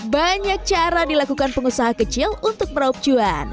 banyak cara dilakukan pengusaha kecil untuk merobjuan